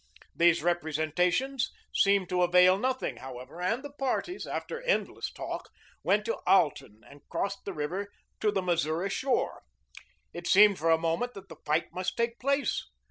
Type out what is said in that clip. These representations seemed to avail nothing, however, and the parties, after endless talk, went to Alton and crossed the river to the Missouri shore. It seemed for a moment that the fight must take place.